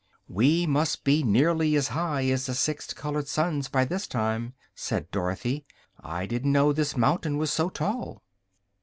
"We must be nearly as high as the six colored suns, by this time," said Dorothy. "I didn't know this mountain was so tall."